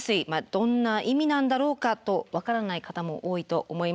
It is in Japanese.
どんな意味なんだろうかと分からない方も多いと思います。